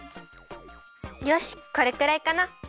よしこれくらいかな。